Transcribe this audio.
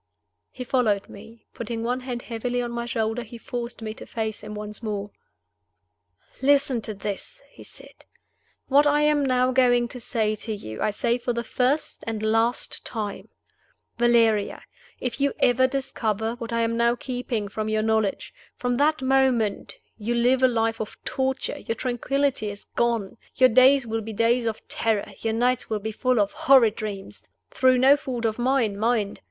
He followed me. Putting one hand heavily on my shoulder, he forced me to face him once more. "Listen to this," he said. "What I am now going to say to you I say for the first and last time. Valeria! if you ever discover what I am now keeping from your knowledge from that moment you live a life of torture; your tranquillity is gone. Your days will be days of terror; your nights will be full of horrid dreams through no fault of mine, mind!